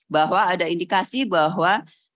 bahwa ada indikasi bahwa